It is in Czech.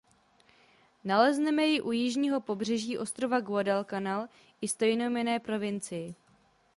Nalezneme ji u jižního pobřeží ostrova Guadalcanal i stejnojmenné provincii.